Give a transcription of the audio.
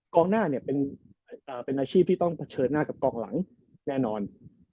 กองหน้าเนี่ยเป็นอาชีพที่ต้องเผชิญหน้ากับกองหลังแน่นอน